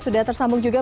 sudah tersambung juga